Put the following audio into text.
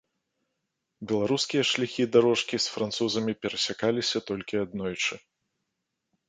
Беларускія шляхі-дарожкі з французамі перасякаліся толькі аднойчы.